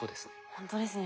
ほんとですね。